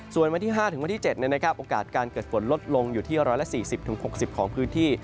ส่วนวันที่๕ถึงวันที่๗โอกาสการเกิดฝนลดลงอยู่ที่๑๔๐๖๐ของพื้นที่